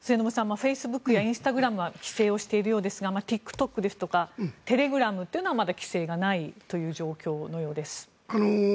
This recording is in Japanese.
フェイスブックやインスタグラムは規制をしているようですがＴｉｋＴｏｋですとかテレグラムというのはまだ規制がないという状況のようです。